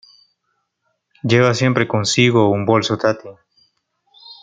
Lleva siempre consigo un bolso Tati.